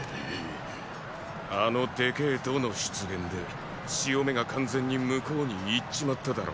あのでけェ弩の出現で潮目が完全に向こうに行っちまっただろうが。